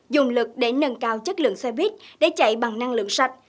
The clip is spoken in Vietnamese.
dùng lực để nâng cao chất lượng xe buýt để chạy bằng năng lượng sạch